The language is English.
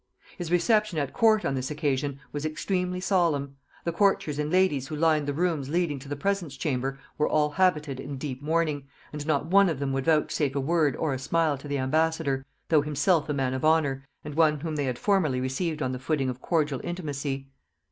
His reception at court on this occasion was extremely solemn: the courtiers and ladies who lined the rooms leading to the presence chamber were all habited in deep mourning, and not one of them would vouchsafe a word or a smile to the ambassador, though himself a man of honor, and one whom they had formerly received on the footing of cordial intimacy.